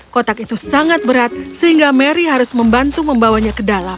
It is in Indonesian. kotak itu sangat berat sehingga mary harus membantu membawanya ke dalam